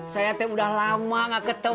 saya teh udah lama gak ketemu ya